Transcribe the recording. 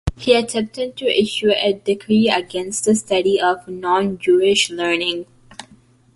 He attempted to issue a decree against the study of non-Jewish learning.